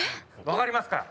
分かりますか？